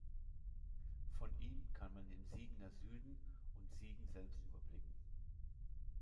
Von ihm kann man den Siegener Süden und Siegen selbst überblicken.